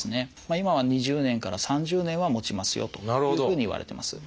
今は２０年から３０年はもちますよというふうにいわれてます。